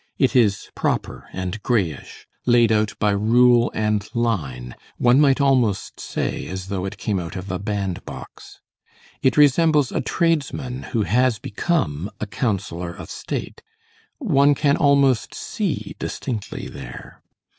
It is proper and grayish; laid out by rule and line; one might almost say as though it came out of a bandbox. It resembles a tradesman who has become a councillor of state. One can almost see distinctly there.